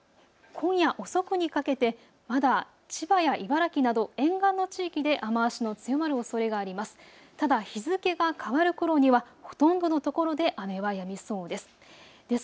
今夜遅くにかけて、まだ千葉や茨城など沿岸の地域で雨足の強まるおそれがあります。